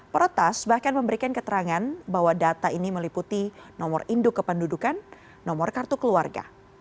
peretas bahkan memberikan keterangan bahwa data ini meliputi nomor induk kependudukan nomor kartu keluarga